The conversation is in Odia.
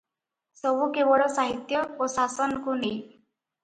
ସବୁ କେବଳ ସାହିତ୍ୟ ଓ ଶାସନକୁ ନେଇ ।